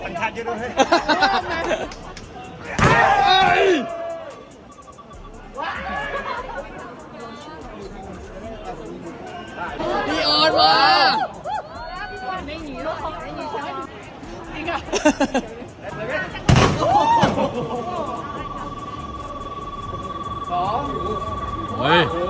ไม่เท่าต่างเยอะด้วย